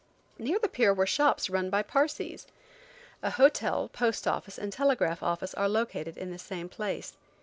Near the pier were shops run by Parsees. A hotel, post office and telegraph office are located in the same place.